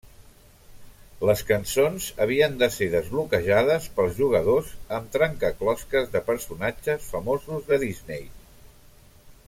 Les cançons havien de ser desbloquejades pels jugadors amb trencaclosques de personatges famosos de Disney.